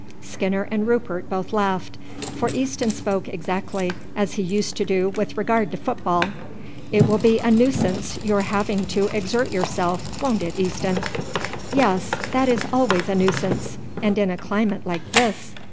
Skinner and Rupert both laughed, for Easton spoke exactly as he used to do with regard to football. "It will be a nuisance your having to exert yourself, won't it, Easton?" "Yes, that is always a nuisance, and in a climate like this!"